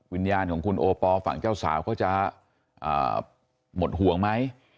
วิญญาณของคุณโอปอลฝั่งเจ้าสาวเขาจะหมดห่วงไหม